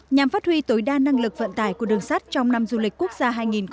nhằm phát huy tối đa năng lực vận tải của đường sắt trong năm du lịch quốc gia hai nghìn hai mươi bốn